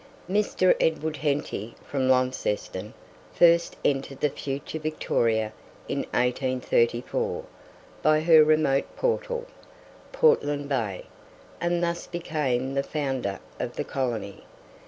Mr. Edward Henty, from Launceston, first entered the future Victoria in 1834 by her remote portal, Portland Bay, and thus became the founder of the colony.